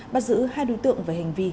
bắt giữ hai đối tượng về hành vi